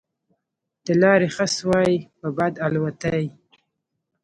د لارې خس وای په باد الوتای